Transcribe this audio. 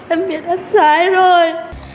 em biết em sai rồi